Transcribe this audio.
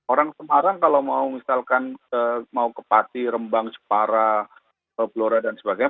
orang semarang kalau mau misalkan mau ke pati rembang separa blora dan sebagainya